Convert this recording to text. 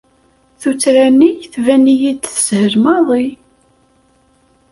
Tuttra-nni tban-iyi-d teshel maḍi.